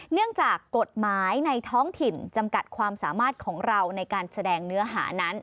เนื่องจากกฎหมายในท้องถิ่นจำกัดความสามารถของเราในการแสดงเนื้อหานั้น